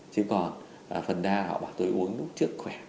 chứ còn phần đa họ bảo tôi uống lúc trước khỏe